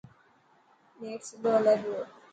نيٽ سلو هلي پيو.